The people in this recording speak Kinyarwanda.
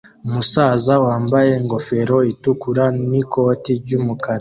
Umusaza wambaye ingofero itukura n'ikoti ry'umukara